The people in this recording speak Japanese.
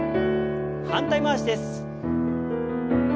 反対回しです。